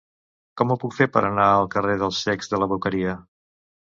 Com ho puc fer per anar al carrer dels Cecs de la Boqueria?